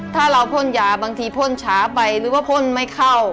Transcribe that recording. ถ้าเราพ่นยาบางทีพ่นช้าไปหรือว่าพ่นไม่เข้า